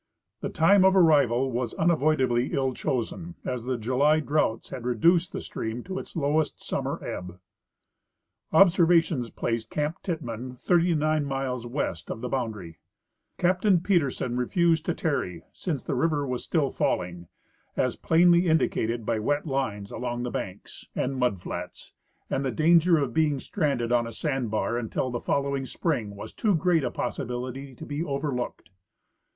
The time of arrival was un avoidably ill chosen, as the July droughts had reduced the stream to its lowest summer ebb. Observations placed camp Tittman 39 miles west of the bound ar}^ Captain Peterson refused to tarry, since the river was still falling, as plainly indicated by wet lines along the banks and (189) 190 /. H. Tamer — The A lashan Boundary Survey. mud flats, and the danger of being stranded on a sand bar until the following spring was too great a possibility to be overlooked.